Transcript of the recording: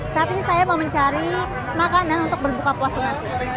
saat ini saya mau mencari makanan untuk berbuka puasa